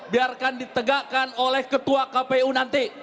biarkan ditegakkan oleh ketua kpu nanti